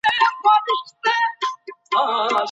د پوهي شتمني د قلم په واسطه ترلاسه کیږي.